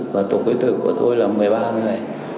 và tổ quyết tử của tôi là một mươi ba người